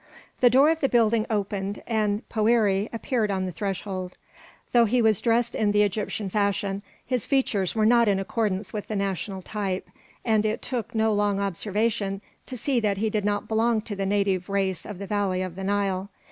The door of the building opened, and Poëri appeared on the threshold. Though he was dressed in the Egyptian fashion, his features were not in accordance with the national type, and it took no long observation to see that he did not belong to the native race of the valley of the Nile.